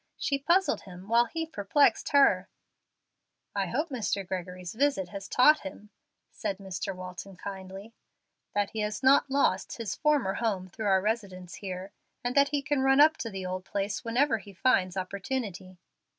She puzzled him, while he perplexed her. "I hope Mr. Gregory's visit has taught him," said Mr. Walton, kindly, "that he has not lost his former home through our residence here, and that he can run up to the old place whenever he finds opportunity."